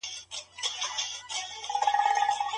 آيا له ميرمني سره د هغې خاله په نکاح کي جمع کيدای سي؟